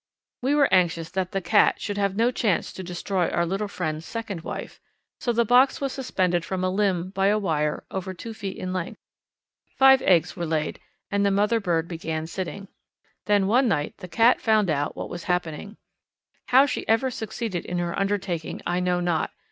We were anxious that the cat should have no chance to destroy our little friend's second wife, so the box was suspended from a limb by a wire over two feet in length. Five eggs were laid and the mother bird began sitting. Then one night the cat found out what was happening. How she ever succeeded in her undertaking, I know not.